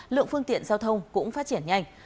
lượng phương tiện giao thông cũng phát triển nhanh